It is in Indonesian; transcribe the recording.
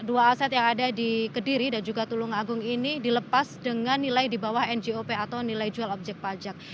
dua aset yang ada di kediri dan juga tulung agung ini dilepas dengan nilai di bawah njop atau nilai jual objek pajak